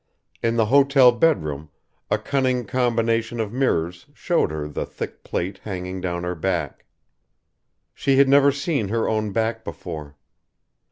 In the hotel bedroom a cunning combination of mirrors showed her the thick plait hanging down her back. She had never seen her own back before.